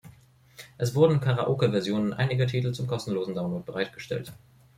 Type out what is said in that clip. Es wurden Karaoke-Versionen einiger Titel zum kostenlosen Download bereitgestellt.